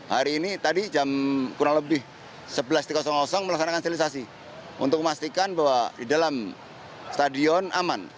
hari ini tadi jam kurang lebih sebelas melaksanakan sterilisasi untuk memastikan bahwa di dalam stadion aman